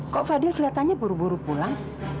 kok fadil kelihatannya buru buru pulang